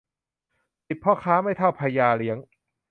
สิบพ่อค้าไม่เท่าพระยาเลี้ยง